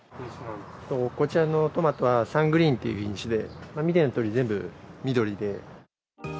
こちらのトマトは、サングリーンという品種で、見てのとおり、全部緑で。